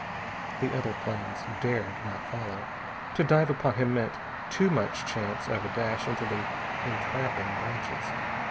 The other planes dared not follow. To dive upon him meant too much chance of a dash into the entrapping branches.